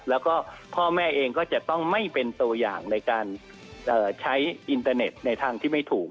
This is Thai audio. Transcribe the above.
แล้วก็พ่อแม่เองก็จะต้องไม่เป็นตัวอย่างในการใช้อินเตอร์เน็ตในทางที่ไม่ถูก